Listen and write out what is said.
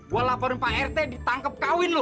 gue laporin pak rt ditangkep kawin lo